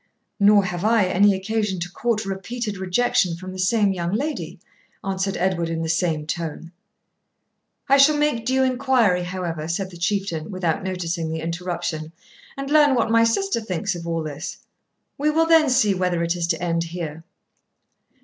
'Nor have I any occasion to court repeated rejection from the same young lady,' answered Edward, in the same tone. 'I shall make due inquiry, however,' said the Chieftain, without noticing the interruption, 'and learn what my sister thinks of all this, we will then see whether it is to end here.'